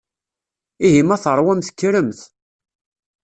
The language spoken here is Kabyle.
Ihi ma teṛwamt kkremt.